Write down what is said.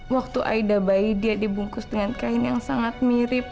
waktu aida bayi dia dibungkus dengan kain yang sangat mirip